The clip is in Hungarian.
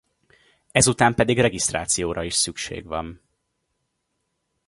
Ezután pedig regisztrációra is szükség van.